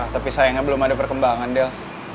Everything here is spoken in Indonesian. tapi sayangnya belum ada perkembangan del